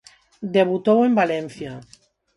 Debutou en Valencia.